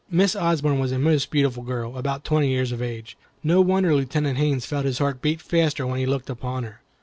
Miss Osborne was a most beautiful girl, about twenty years of age. No wonder Lieutenant Haines felt his heart beat faster when he looked upon her.